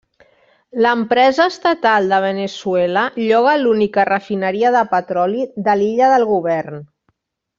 L'empresa estatal de Veneçuela lloga l'única refineria de petroli de l'illa del govern.